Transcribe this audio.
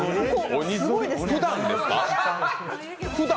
ふだんですか？